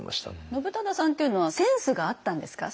信忠さんっていうのはセンスがあったんですか？